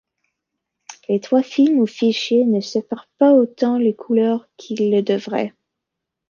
Le trois films ou fichiers ne séparent pas autant les couleurs qu'ils le devraient.